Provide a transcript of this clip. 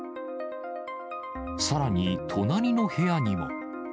さらに隣の部屋にも。